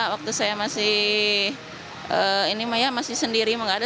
waktu saya masih ini maya masih sendiri mah nggak ada